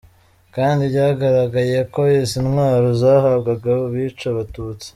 Kandi byagaragaye ko izi ntwaro zahabwaga abica Abatutsi.